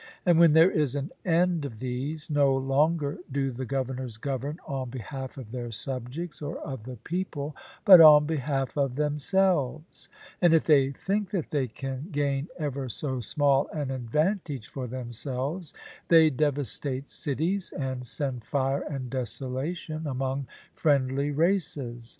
And when there is an end of these, no longer do the governors govern on behalf of their subjects or of the people, but on behalf of themselves; and if they think that they can gain ever so small an advantage for themselves, they devastate cities, and send fire and desolation among friendly races.